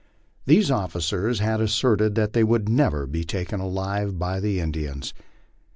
These officers had often asserted that they would never be taken alive by Indians.